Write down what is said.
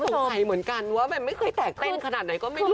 เออคุณผู้ชมสงสัยเหมือนกันว่ามันไม่เคยแตกขึ้นขนาดไหนก็ไม่หลุด